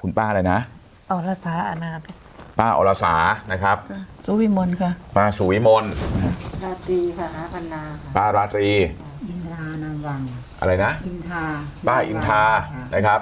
คุณป้าอะไรนะป้าอรสานะครับป้าสุวิมลป้าราตรีป้าอินทานะครับ